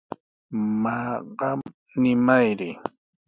Maa, qam nimayri.